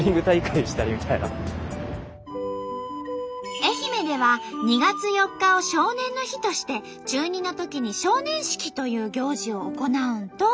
愛媛では２月４日を「少年の日」として中２のときに「少年式」という行事を行うんと。